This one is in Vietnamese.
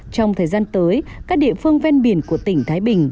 trong thời gian tới các địa phương ven biển của tỉnh thái bình